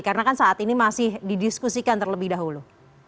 karena kan saat ini masih didiskusikan terlebih dahulu